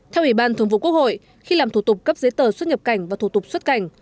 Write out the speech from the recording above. theo ủy ban thường vụ quốc hội khi làm thủ tục cấp giấy tờ xuất nhập cảnh và thủ tục xuất cảnh